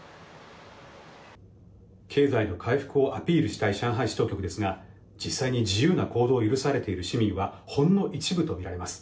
経済の回復をアピールしたい上海市当局ですが実際に自由な行動を許されている市民はほんの一部とみられます。